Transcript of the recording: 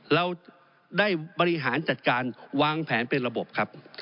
เราได้บริหารจัดการวางแผนเป็นระบบครับ